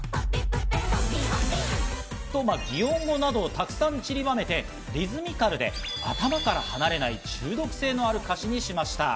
擬音語などをたくさん散りばめて、リズミカルで頭から離れない中毒性のある歌詞にしました。